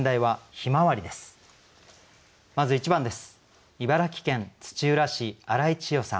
まず１番です。